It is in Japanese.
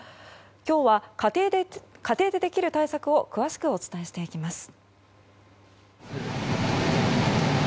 今日は、家庭でできる対策を詳しくお伝えしていきます。